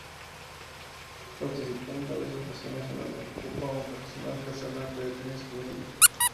Participó en varias ocasiones en la Copa Internacional Casablanca de tenis juvenil.